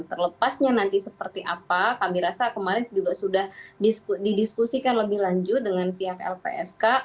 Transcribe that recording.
terlepasnya nanti seperti apa kami rasa kemarin juga sudah didiskusikan lebih lanjut dengan pihak lpsk